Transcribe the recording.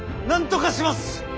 なんとかします！